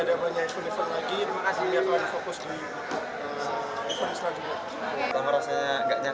terima kasih doa dan dukungannya